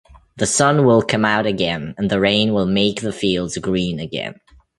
The sun will come out again and the rain will make the fields green again.